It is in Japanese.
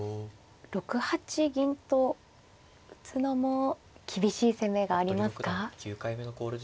６八銀と打つのも厳しい攻めがありますか？